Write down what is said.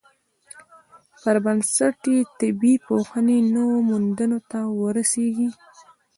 پر بنسټ یې طبیعي پوهنې نویو موندنو ته ورسیږي.